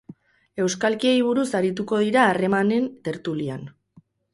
Euskalkiei buruz arituko dira harremanen tertulian.